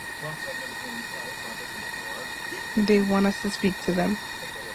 They want us to speak to them?